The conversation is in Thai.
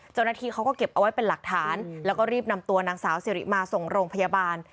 เจ้าหน้าที่เขาก็เก็บเอาไว้เป็นหลักฐานแล้วก็รีบนำตัวนางสาวสิริมาส่งโรงพยาบาล